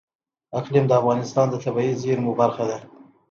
اقلیم د افغانستان د طبیعي زیرمو برخه ده.